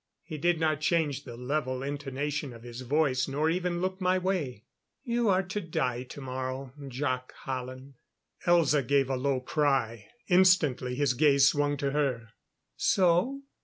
He did not change the level intonation of his voice, nor even look my way. "You are to die tomorrow, Jac Hallen " Elza gave a low cry; instantly his gaze swung to her. "So?